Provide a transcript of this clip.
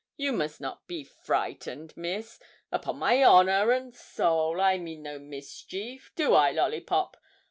You must not be frightened, Miss. Upon my honour and soul, I mean no mischief; do I, Lollipop?